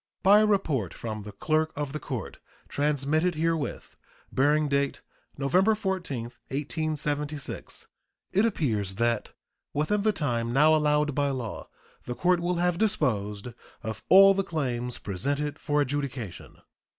By a report from the clerk of the court, transmitted herewith, bearing date November 14, 1876, it appears that within the time now allowed by law the court will have disposed of all the claims presented for adjudication.